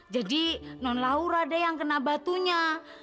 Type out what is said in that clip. jadi non laura deh yang kena batunya